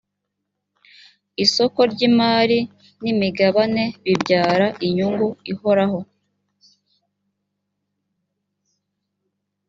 isoko ry imari n imigabane bibyara inyungu ihoraho